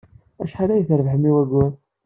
Acḥal ay trebbḥem i wayyur?